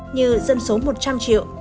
như dân số một trăm linh triệu